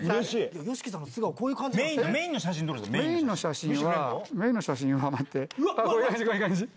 ＹＯＳＨＩＫＩさんの素顔、こういう感じなんですね。